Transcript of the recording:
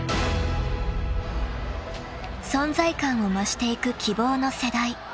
［存在感を増していく希望の世代］